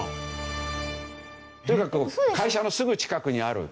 とにかく会社のすぐ近くにある。